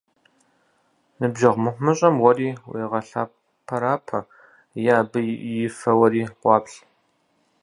Ныбжьэгъу мыхъумыщӀэм уэри уегъэлъэпэрапэ, е абы и фэ уэри къуаплъ.